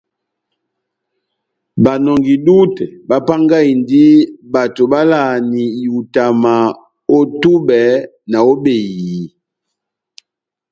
Banɔngi-dútɛ bapángahindi bato bavalahani ihutama ó túbɛ ná ó behiyi.